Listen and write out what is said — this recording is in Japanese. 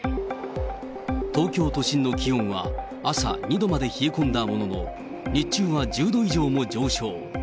東京都心の気温は、朝２度まで冷え込んだものの、日中は１０度以上も上昇。